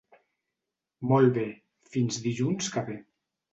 Molt bé; fins dilluns que ve.